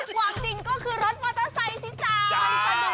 ความจริงก็คือรถมอเซ้ยสิจ๊ะ